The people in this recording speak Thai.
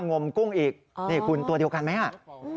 โง่มกุ้งอีกคุณตัวเดียวกันไหมคุณ